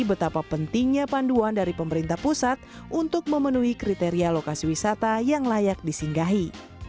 betapa pentingnya panduan dari pemerintah pusat untuk memenuhi kriteria lokasi wisata yang layak disinggahi